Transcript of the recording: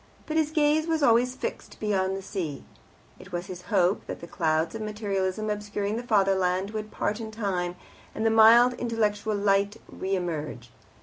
But his gaze was always fixed beyond the sea. It was his hope that the clouds of materialism obscuring the Fatherland would part in time, and the mild intellectual light re emerge.